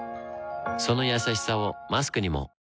そのやさしさをマスクにも